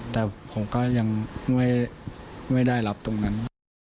แต่ผมก็ยังไม่ได้รับตรงนั้น